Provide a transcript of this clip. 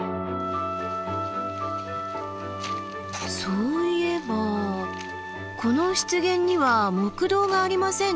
そういえばこの湿原には木道がありませんね。